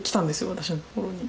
私の所に。